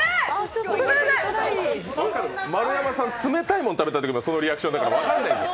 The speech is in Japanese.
丸山さん、冷たいもん食べたときもそのリアクションだから分からない。